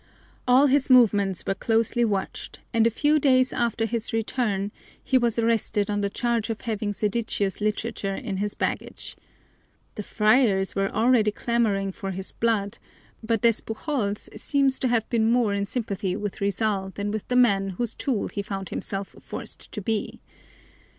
All his movements were closely watched, and a few days after his return he was arrested on the charge of having seditious literature in his baggage. The friars were already clamoring for his blood, but Despujols seems to have been more in sympathy with Rizal than with the men whose tool he found himself forced to be.